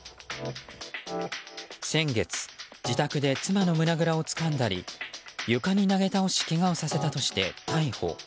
先月、自宅で妻の胸ぐらをつかんだり床に投げ倒しけがをさせたとして逮捕。